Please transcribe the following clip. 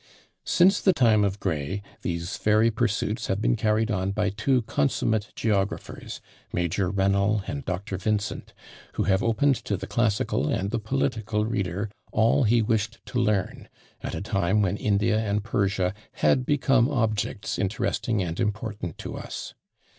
Since the time of Gray, these very pursuits have been carried on by two consummate geographers, Major Rennel and Dr. Vincent, who have opened to the classical and the political reader all he wished to learn, at a time when India and Persia had become objects interesting and important to us.